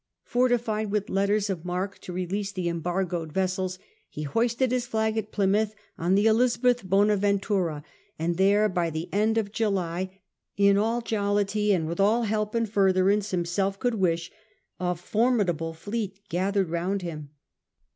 Fortified with letters of marque to release the embargoed vessels, he hoisted his flag at Plymouth on the Elizabeth Bonaventura, and there, by the end of July, " in all jollity and with all help and furtherance himself could wish," a formidable fleet gathered round him.